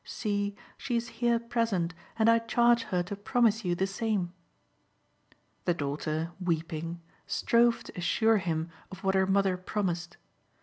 See, she is here present, and I charge her to promise you the same." The daughter, weeping, strove to assure him of what her mother promised.